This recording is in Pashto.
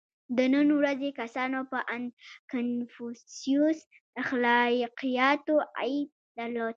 • د نن ورځې کسانو په اند کنفوسیوس اخلاقیاتو عیب درلود.